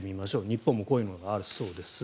日本もこういうのがあるそうです。